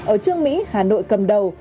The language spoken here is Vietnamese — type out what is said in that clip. ở trương mỹ hà nội cầm đầu